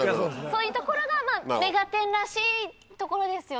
そういうところが『目がテン！』らしいところですよね。